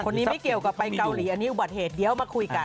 ไม่เกี่ยวกับไปเกาหลีอันนี้อุบัติเหตุเดี๋ยวมาคุยกัน